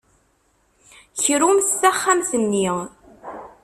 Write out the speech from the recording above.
Krumt taxxamt-nni.